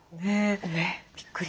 ねえびっくり。